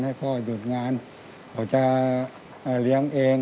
ให้พ่อหยุดงานเขาจะเลี้ยงเอง